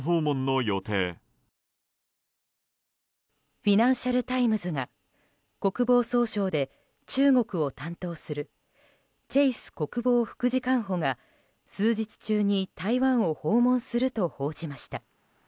フィナンシャル・タイムズが国防総省で中国を担当するチェイス国防副次官補が数日中に台湾を訪問すると報じました。